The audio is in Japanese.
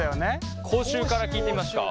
口臭から聞いてみますか？